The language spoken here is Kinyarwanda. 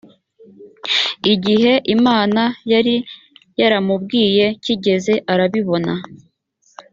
igihe imana yari yaramubwiye kigeze arabibona